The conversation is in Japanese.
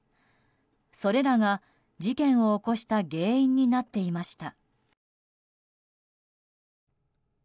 それらが事件を起こした原因になっていました。